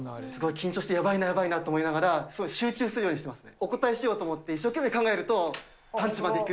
緊張してやばいな、やばいなと思いながら、すごい集中するようにしてますね。